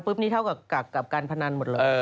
ปุ๊บนี่เท่ากับการพนันหมดเลย